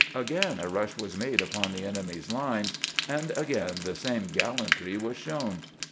Again a rush was made upon the enemy's line, and again the same gallantry was shown.